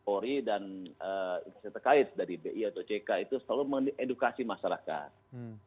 ori dan insentor kait dari bi atau ojk itu selalu mengedukasi masyarakat